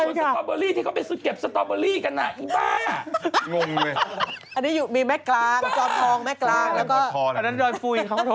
งงมากเออฉันก็คิดว่าทำไมมหาลัยไปขึ้นหน่อยน่ะหนู